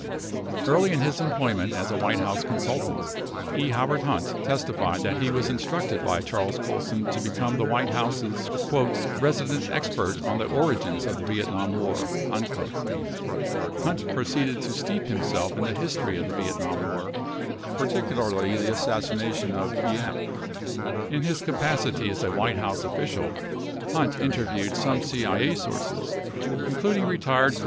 Early in his employment as a White House consultant, E. Howard Hunt testified that he was instructed by Charles Colson to become the White House's "resident expert on the origins of the Vietnam war." 40 Hunt proceeded to steep himself in the history of the Vietnam war, particularly the assassination of Diem. 41 In his capacity as a White House official, Hunt interviewed some CIA sources, including retired Col.